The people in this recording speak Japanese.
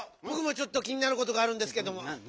ぼくもちょっと気になることがあるんですけども。